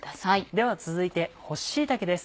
では続いて干し椎茸です